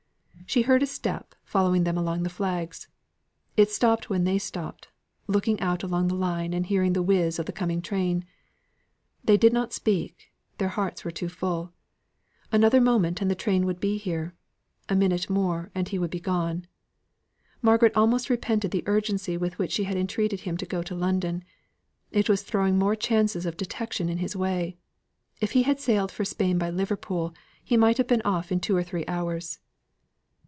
She heard a step following them along the flags; it stopped when they stopped, looking out along the line and hearing the whizz of the coming train. They did not speak; their hearts were too full. Another moment, and the train would be here; a minute more, and he would be gone. Margaret almost repented the urgency with which she had entreated him to go to London; it was throwing more chances of detection in his way. If he had sailed for Spain by Liverpool, he might have been off in two or three hours.